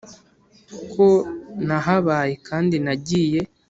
ko nahabaye kandi nagiye